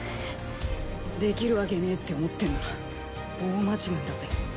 できるわけねえって思ってんなら大間違いだぜ。